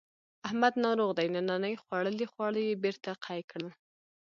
احمد ناروغ دی ننني خوړلي خواړه یې بېرته قی کړل.